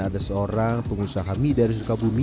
ada seorang pengusaha mie dari sukabumi